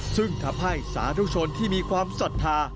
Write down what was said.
ซึ่งทำให้สาธุชนที่มีความศรัทธา